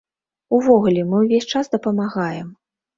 Увогуле, мы ўвесь час дапамагаем.